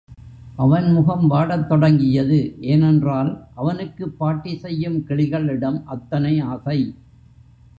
அவன் முகம் வாடத் தொடங்கியது ஏனென்றால், அவனுக்குப் பாட்டி செய்யும் கிளிகளிடம் அத்தனை ஆசை.